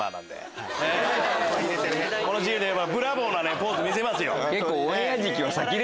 このチームでブラボーなポーズ見せますよ。